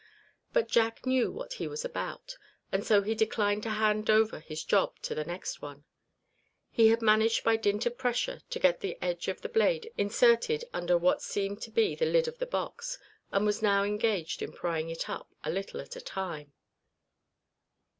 But Jack knew what he was about, and so he declined to hand over his job to the next one. He had managed by dint of pressure to get the edge of the blade inserted under what seemed to be the lid of the box, and was now engaged in prying it up, a little at a time.